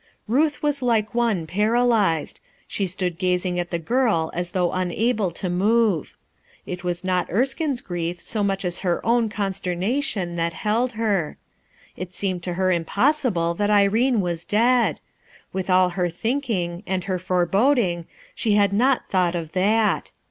Ruth was like one paralyzed. She stood gazing at the girl as though unable to moTe. It was not Erskine's grief so much as her ovm consternation that held her. It seemed to her impossible that Irene was dead ! With all her thinking, and her foreboding, die had cot thought of that.